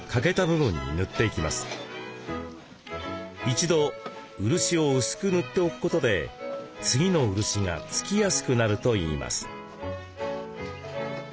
一度漆を薄く塗っておくことで次の漆がつきやすくなるといいます。